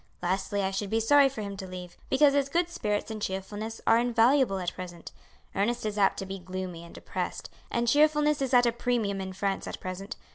Lastly I should be sorry for him to leave, because his good spirits and cheerfulness are invaluable at present. Ernest is apt to be gloomy and depressed, and cheerfulness is at a premium in France at present.